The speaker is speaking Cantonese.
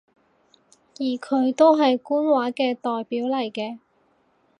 而佢都係官話嘅代表嚟嘅